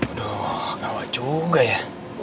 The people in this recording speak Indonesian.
aduh gawat juga ya